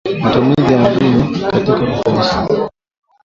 Matumizi ya madume katika kuzalisha